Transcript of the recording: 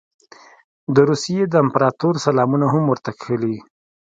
د روسیې د امپراطور سلامونه هم ورته کښلي.